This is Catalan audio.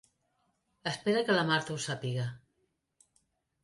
Espera que la Martha ho sàpiga.